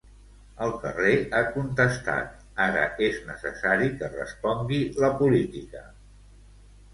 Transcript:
El carrer ha contestat; ara és necessari que respongui la política.